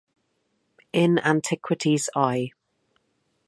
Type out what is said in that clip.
In Antiquities i.